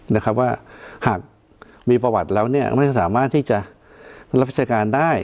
นะหากมีประวัติแล้วเนี่ยไม่สามารถที่จะรับพิศาลการได้